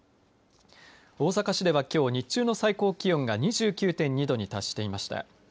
大阪市では、きょう日中の最高気温が２９．２度に達していました。